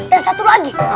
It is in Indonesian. dan satu lagi